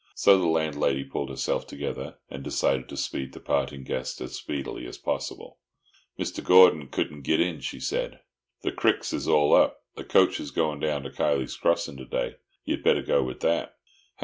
So the landlady pulled herself together, and decided to speed the parting guest as speedily as possible. "Mr. Gordon couldn't git in," she said. "The cricks (creeks) is all up. The coach is going down to Kiley's Crossing to day. You had better go with that."